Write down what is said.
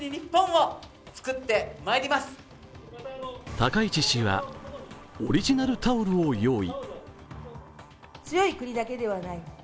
高市氏は、オリジナルタオルを用意。